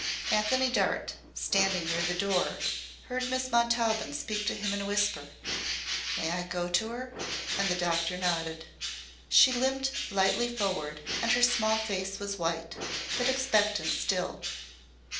Antony Dart, standing near the door, heard Miss Montaubyn speak to him in a whisper. "May I go to 'er?" and the doctor nodded. She limped lightly forward and her small face was white, but expectant still.